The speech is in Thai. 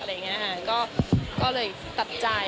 อะไรอย่างนี้ก็ก็เลยตัดใจ